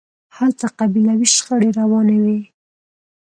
هلته قبیلوي شخړې روانې وي.